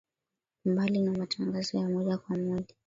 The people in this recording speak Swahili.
Mbali na matangazo ya moja kwa moja